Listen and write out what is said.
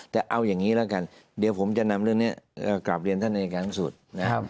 แต่เอาอย่างนี้แล้วกันเดี๋ยวผมจะนำเรื่องนี้กลับเรียนท่านอายการที่สุดนะครับ